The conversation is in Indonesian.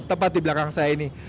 tepat di belakang saya ini